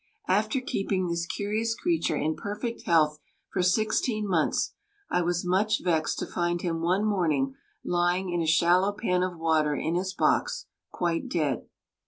After keeping this curious creature in perfect health for sixteen months, I was much vexed to find him one morning lying in a shallow pan of water in his box, quite dead.